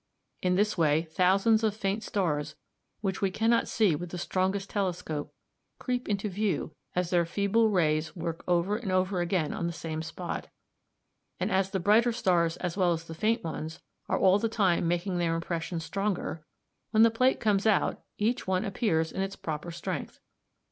In this way thousands of faint stars, which we cannot see with the strongest telescope, creep into view as their feeble rays work over and over again on the same spot; and, as the brighter stars as well as the faint ones are all the time making their impression stronger, when the plate comes out each one appears in its proper strength.